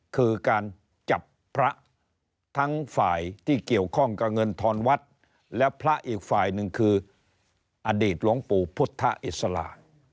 คือการจับพระทั้งฝ่ายที่เกี่ยวข้องกับเงินทอนวัดและพระอีกฝ่ายหนึ่งคืออดีตหลวงปู่พุทธอิสระ